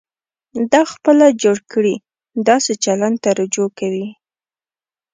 دا خپله جوړ کړي داسې چلند ته رجوع کوي.